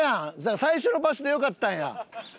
最初の場所で良かったんや。